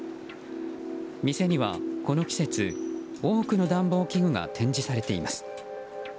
店にはこの季節多くの暖房器具が展示されています。